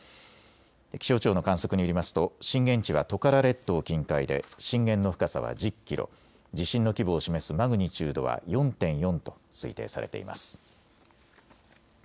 気象庁の観測によりますと震源地はトカラ列島近海で震源の深さは１０キロ、地震の規模を示すマグニチュードは４．４と推定されています。